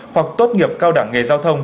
hoặc tốt nghiệp cao đẳng nghề giao thông